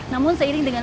namun seiring dengan